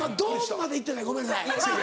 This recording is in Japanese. までいってないごめんなさい。